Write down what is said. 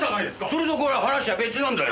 それとこれは話が別なんだよ。